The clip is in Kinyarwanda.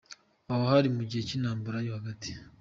Aha hari mu gihe cy’intambara yo hagati.